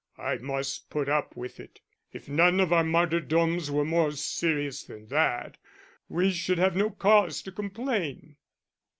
"I must put up with it. If none of our martyrdoms were more serious than that, we should have no cause to complain."